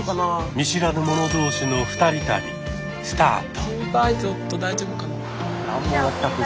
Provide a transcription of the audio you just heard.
見知らぬ者同士の二人旅スタート。